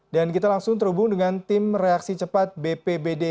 dan kita langsung terhubung dengan tim reaksi cepat bpbd